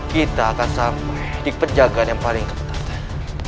kita akan sampai di pejagaan yang paling kebetulan